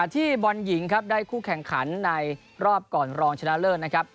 ที่บอลหญิงครับได้คู่แข่งขันในรอบก่อนรองชนะเลิศนะครับ